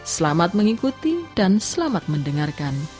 selamat mengikuti dan selamat mendengarkan